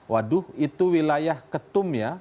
waduh itu wilayah ketum ya